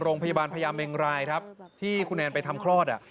โรงพยาบาลพญาเมงรายที่คุณแนนไปทำคลอด